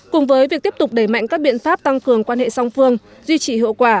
cùng với việc tiếp tục đẩy mạnh các biện pháp tăng cường quan hệ song phương duy trì hiệu quả